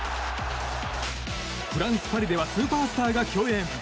フランス・パリではスーパースターが競演。